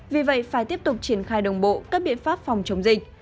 vì vậy phải tiếp tục triển khai đồng bộ các biện pháp phòng chống dịch